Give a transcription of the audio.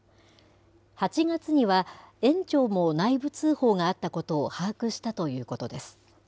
８月には園長も内部通報があったことを把握したということです。